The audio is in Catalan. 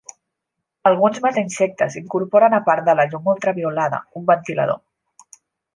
Alguns mata-insectes incorporen a part de la llum ultraviolada, un ventilador.